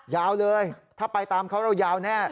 ยาวเลยถ้าไปตามเขาเรายาวแน่